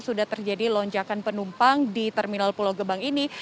sudah terjadi lonjakan penumpang di terminal pulau gebang ini